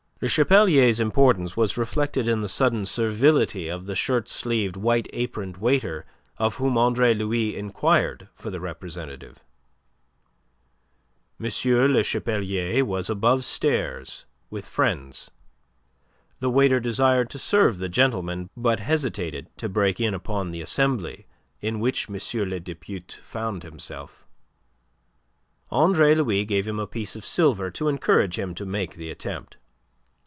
Le Chapelier's importance was reflected in the sudden servility of the shirt sleeved, white aproned waiter of whom Andre Louis inquired for the representative. M. Le Chapelier was above stairs with friends. The waiter desired to serve the gentleman, but hesitated to break in upon the assembly in which M. le Depute found himself. Andre Louis gave him a piece of silver to encourage him to make the attempt.